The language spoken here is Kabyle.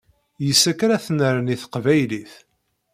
Yes-k ara tennerni teqbaylit.